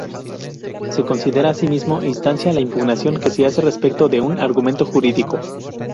Se considera asimismo instancia la impugnación que se hace respecto de un argumento jurídico.